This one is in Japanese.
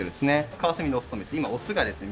カワセミのオスとメス今オスがですね